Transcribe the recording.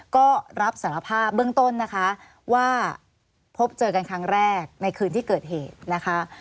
ก็รับสารภาพเบื้องต้นนะคะว่าพบเจอกันครั้งแรกในคืนที่เกิดเหตุนะคะ